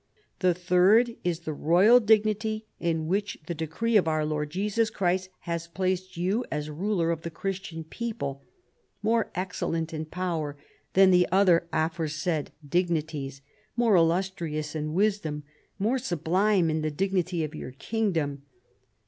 " The third is the royal dignity in which the de cree of our Lord Jesus Christ has placed you as ruler of the Christian people, more excellent in power than the other aforesaid dignities, more illus trious in wisdom, more sublime in the dignity of your kingdom.